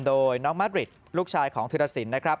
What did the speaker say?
โดยน้องมัดริดลูกชายของธิรสินนะครับ